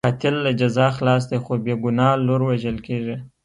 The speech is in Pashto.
قاتل له جزا خلاص دی، خو بې ګناه لور وژل کېږي.